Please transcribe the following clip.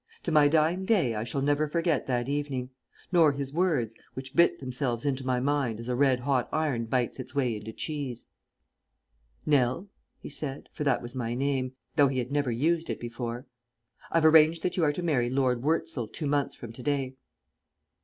To my dying day I shall never forget that evening; nor his words, which bit themselves into my mind as a red hot iron bites its way into cheese. "Nell," he said, for that was my name, though he had never used it before, "I've arranged that you are to marry Lord Wurzel two months from to day."